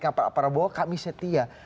kepala prabowo kami setia